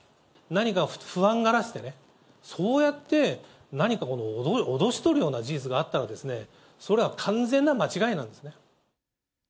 何か不安がらせてね、そうやって何か脅し取るような事実があったらですね、それは完全な間違いなんですね。